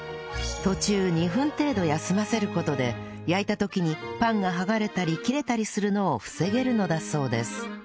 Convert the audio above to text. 途中２分程度休ませる事で焼いた時にパンが剥がれたり切れたりするのを防げるのだそうです